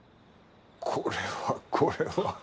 これはこれは。